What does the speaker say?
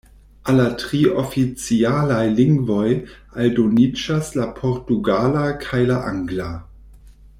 Al la tri oficialaj lingvoj aldoniĝas la portugala kaj la angla.